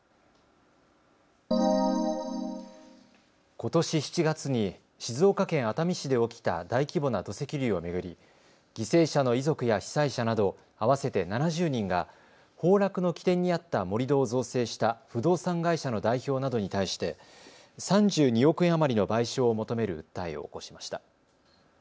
ことし７月に静岡県熱海市で起きた大規模な土石流を巡り犠牲者の遺族や被災者など合わせて７０人が崩落の起点にあった盛り土を造成した不動産会社の代表などに対して３２億円余りの賠償を求める訴えを起こしました。